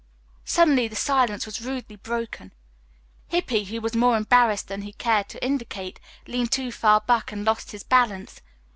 Suddenly the silence was rudely broken. Hippy, who was more embarrassed than he cared to indicate, leaned too far back and lost his balance.